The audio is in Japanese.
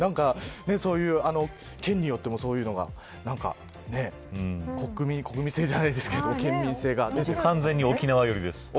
そういう県によっても国民性じゃないですけど県民性が僕は、完全に沖縄よりです。